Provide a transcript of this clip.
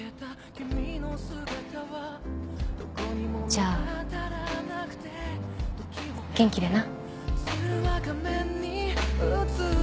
じゃあ元気でな。